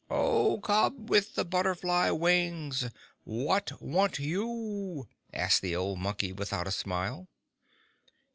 "O cubs with the butterfly wings! What want you?" asked the old Monkey, without a smile.